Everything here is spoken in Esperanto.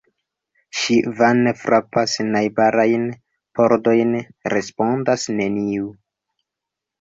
Ŝi vane frapas najbarajn pordojn; respondas neniu.